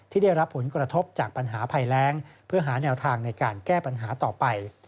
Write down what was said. ที่ได้รับผลกระทบจากปัญหาภัยแรงเพื่อหาแนวทางในการแก้ปัญหาต่อไป